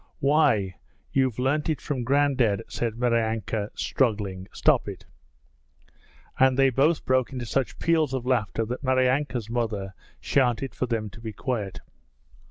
'Why, you've learnt it from Grandad,' said Maryanka, struggling. 'Stop it!' And they both broke into such peals of laughter that Maryanka's mother shouted to them to be quiet.